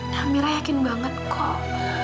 nah mira yakin banget kok